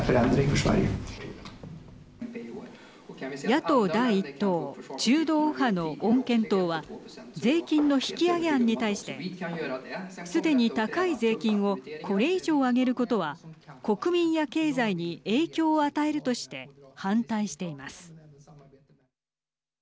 野党第１党中道右派の穏健党は税金の引き上げ案に対してすでに高い税金をこれ以上、上げることは国民や経済に影響を与えるとして反対しています。